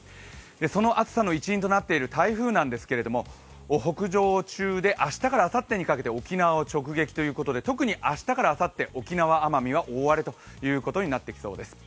その暑さの一因となっている台風なんですけれども北上中で明日からあさってにかけて沖縄を直撃ということで特に、明日からあさって沖縄・奄美は大荒れということになってきそうです。